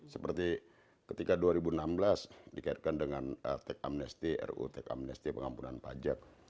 seperti ketika dua ribu enam belas dikaitkan dengan ruu teks amnesti pengampunan pajak